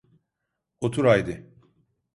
Otur haydi.